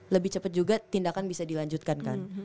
lebih cepat juga tindakan bisa dilanjutkan kan